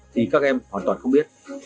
thì các em hoàn toàn không biết